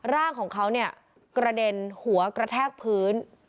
ร่างของเขาเนี่ยกระเด็นหัวกระแทกพื้น